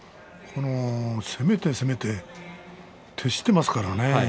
攻めて、攻めて徹していますからね。